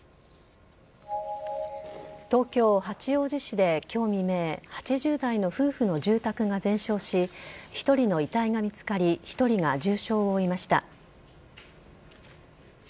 東京・八王子市で今日未明８０代の夫婦の住宅が全焼し１人の遺体が見つかり１人が重傷を負いました。